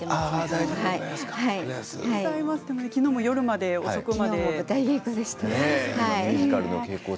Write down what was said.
昨日も夜遅くまで。